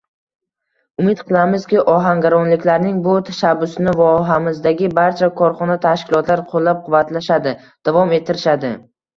Umid qilamizki, ohangaronliklarning bu tashabbusini vohamizdagi barcha korxona, tashkilotlar qoʻllab-quvvatlashadi, davom ettirishadi.